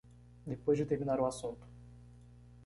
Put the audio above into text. Depois de terminar o assunto